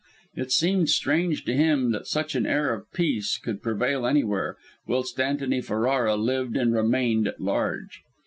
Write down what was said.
It seemed strange to him that such an air of peace could prevail, anywhere, whilst Antony Ferrara lived and remained at large.